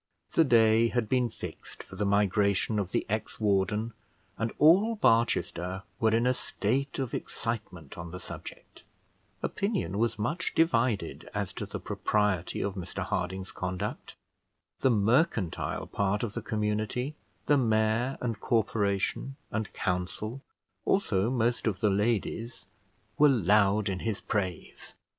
The day had been fixed for the migration of the ex warden, and all Barchester were in a state of excitement on the subject. Opinion was much divided as to the propriety of Mr Harding's conduct. The mercantile part of the community, the mayor and corporation, and council, also most of the ladies, were loud in his praise.